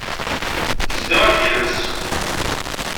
Zdiɣ akid-s.